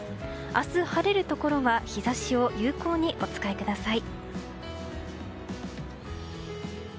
明日晴れるところは日差しを有効にお使いください。